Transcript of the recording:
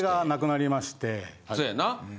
そうやな。